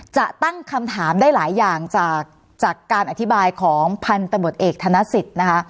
จะตั้งคำถามได้หลายอย่างจากการอธิบายของพันธบทเอกธนสิทธิ์นะคะ